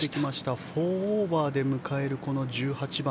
４オーバーで迎える１８番。